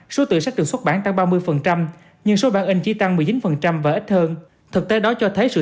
số tựa sách được xuất bản tăng ba mươi nhưng số bản in chỉ tăng một mươi chín và ít hơn thực tế đó cho thấy sự